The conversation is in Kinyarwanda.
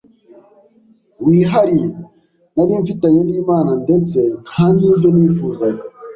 wihariye nari mfitanye n’Imana ndetse nta n’ibyo nifuzaga